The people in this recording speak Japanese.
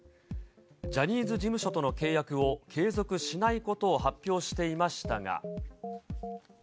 ジャニーズ事務所との契約を継続しないことを発表していましたが。